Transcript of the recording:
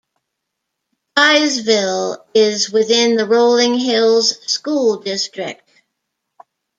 Byesville is within the Rolling Hills School District.